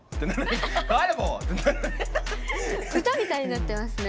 歌みたいになってますね。